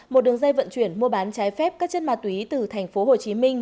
một đường dây vận chuyển mua bán trái phép các chất ma túy từ tp hồ chí minh